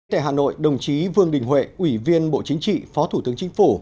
tại hà nội đồng chí vương đình huệ ủy viên bộ chính trị phó thủ tướng chính phủ